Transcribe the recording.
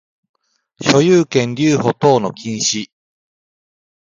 所有権留保等の禁止